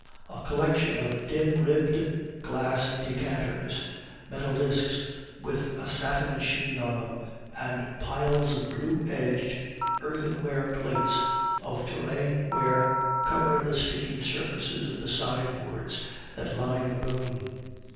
A collection of dim ribbed glass decanters, metal discs with a satin sheen on them, and piles of blue edged earthenware plates of Touraine ware cover the sticky surfaces of the sideboards that line the room.